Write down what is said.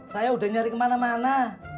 saya udah nyari kemana mana